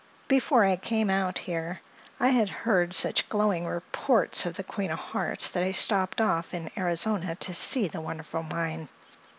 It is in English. Before I came out here I had heard such glowing reports of the Queen of Hearts that I stopped off in Arizona to see the wonderful mine.